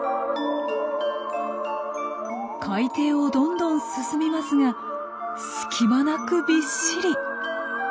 海底をどんどん進みますが隙間なくびっしり。